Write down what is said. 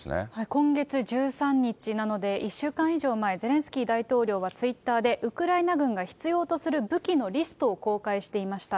今月１３日なので、１週間以上前、ゼレンスキー大統領はツイッターで、ウクライナ軍が必要とする武器のリストを公開していました。